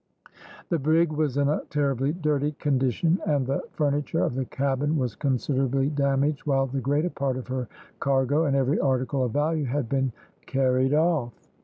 The brig was in a terribly dirty condition, and the furniture of the cabin was considerably damaged, while the greater part of her cargo and every article of value had been carried off.